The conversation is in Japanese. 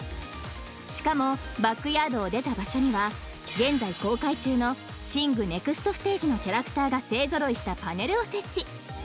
［しかもバックヤードを出た場所には現在公開中の『ＳＩＮＧ／シング：ネクストステージ』のキャラクターが勢揃いしたパネルを設置］